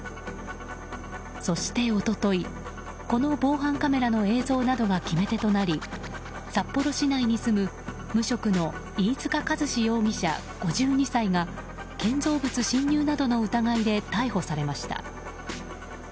そして、一昨日この防犯カメラの映像などが決め手となり札幌市内に住む無職の飯塚一致容疑者５２歳が建造物侵入などの疑いで逮捕されました。